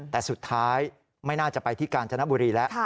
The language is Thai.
แต่สุดท้ายไม่น่าจะไปที่กาญจนบุรีแล้ว